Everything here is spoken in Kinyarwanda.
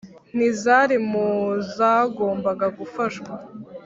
ntizari mu zagombaga gufashwa.